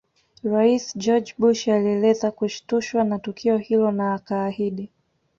Rais George Bush alieleza kushtushwa na tukio hilo na akaahidi